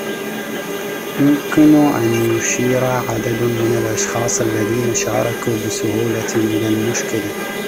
يمكن أن يشير عدد من الأشخاص الذين شاركوا بسهولة إلى المشكلة